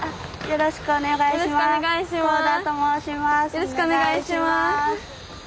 よろしくお願いします。